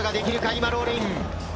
今ロールイン。